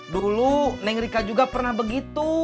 dulu neng rika juga pernah begitu